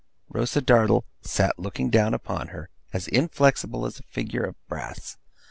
Rosa Dartle sat looking down upon her, as inflexible as a figure of brass.